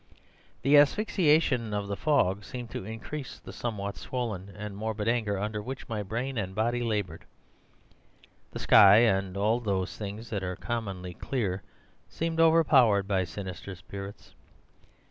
The asphyxiation of the fog seemed to increase the somewhat swollen and morbid anger under which my brain and body laboured. The sky and all those things that are commonly clear seemed overpowered by sinister spirits.